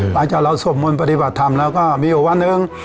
หลังจากเราสวดมนต์ปฏิบัติธรรมแล้วก็มีอยู่วันหนึ่ง